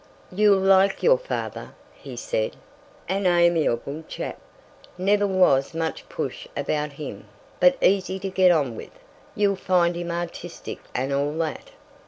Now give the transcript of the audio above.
"You'll like your father," he said—"an amiable chap. Never was much push about him, but easy to get on with. You'll find him artistic and all that."